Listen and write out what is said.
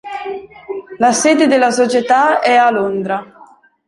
La sede della società è a Londra.